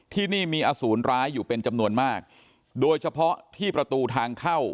ที่นี่มีอสูรร้ายอยู่เป็นจำนวนมากโดยเฉพาะที่ประตูทางเข้า